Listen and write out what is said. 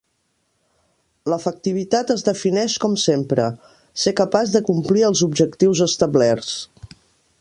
L'efectivitat es defineix com sempre: ser capaç de complir els objectius establerts.